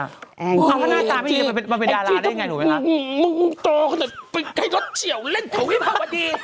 แอ้งจี้แอ้งจี้ต้องมึงต่อขนาดนั้นให้รถเฉียวเล่นเถอะพี่ภาวดี